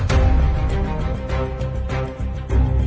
เขาก็บอกโทรไปให้ดู